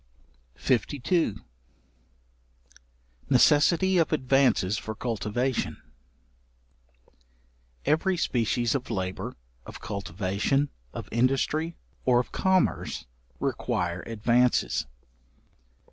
§52. Necessity of advances for cultivation. Every species of labour, of cultivation, of industry, or of commerce, require advances.